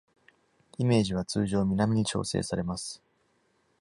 イメージは通常、南に調整されます。